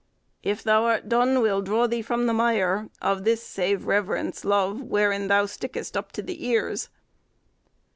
"If thou art Dun we'll draw thee from the mire, Of this (save reverence) love, wherein thou stick'st Up to the ears."